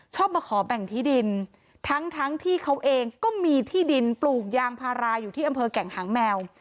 มาขอแบ่งที่ดินทั้งทั้งที่เขาเองก็มีที่ดินปลูกยางพาราอยู่ที่อำเภอแก่งหางแมว